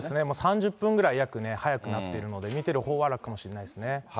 ３０分ぐらい、約ね、早くなってるので、見てるほうは楽かもしれないですね。